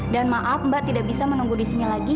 dan maaf mbak tidak bisa menunggu disini lagi